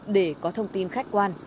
để có thông tin khách quan